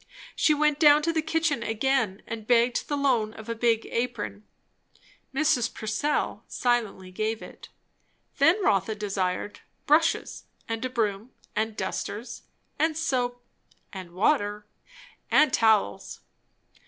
She went down to the kitchen again, and begged the loan of a big apron. Mrs. Purcell silently gave it. Then Rotha desired brushes and a broom and dusters, and soap and water and towels.